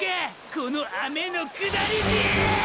この雨の下りでェ！！